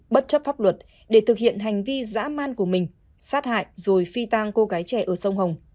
bất chấp pháp luật để thực hiện hành vi giã man của mình sát hại rồi phi tang cô gái trẻ ở sông hồng